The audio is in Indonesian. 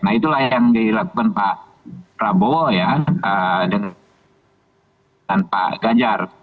nah itulah yang dilakukan pak prabowo ya dengan pak ganjar